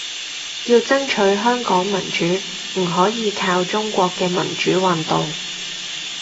要爭取香港民主，唔可以靠中國嘅民主運動